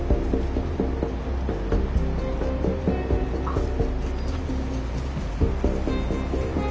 あっ。